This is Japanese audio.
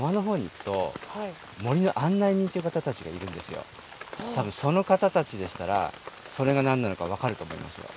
今日たぶんその方たちでしたらそれが何なのか分かると思いますよ